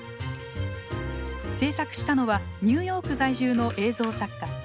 制作したのはニューヨーク在住の映像作家